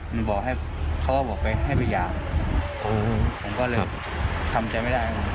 มันบอกให้เขาก็บอกไปให้ไปหย่าผมก็เลยทำใจไม่ได้